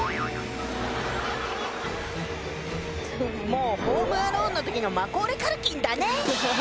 もう「ホーム・アローン」の時のマコーレー・カルキンだね